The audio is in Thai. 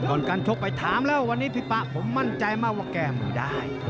ก่อนการชกไปถามแล้ววันนี้พี่ป๊ะผมมั่นใจมากว่าแก้มือได้